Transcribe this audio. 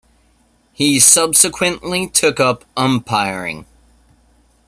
He subsequently took up umpiring.